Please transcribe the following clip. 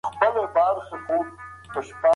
ایا ته پوهېږې چي په موبایل کي ژبه څنګه زده کیږي؟